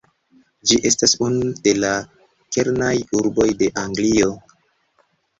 Ĝi estas unu de la kernaj urboj de Anglio.